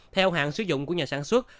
theo hạn sử dụng của nhà sản xuất